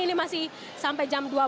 ini masih sampai jam dua belas